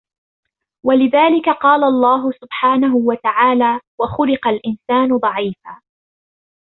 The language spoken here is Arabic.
وَلِذَلِكَ قَالَ اللَّهُ سُبْحَانَهُ وَتَعَالَى وَخُلِقَ الْإِنْسَانُ ضَعِيفًا